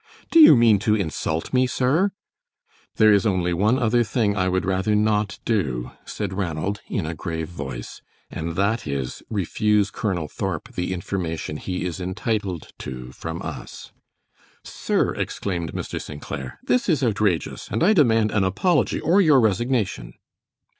"Do you mean to insult me, sir?" "There is only one other thing I would rather not do," said Ranald, in a grave voice, "and that is refuse Colonel Thorp the information he is entitled to from us." "Sir!" exclaimed Mr. St. Clair, "this is outrageous, and I demand an apology or your resignation!"